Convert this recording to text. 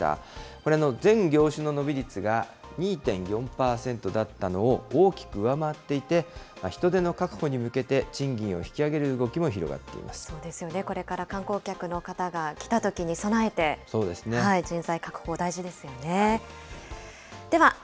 これ、全業種の伸び率が２．４％だったのを大きく上回っていて、人手の確保に向けて賃金を引き上そうですよね、これから観光客の方が来たときに備えて、人材確保、大事ですよね。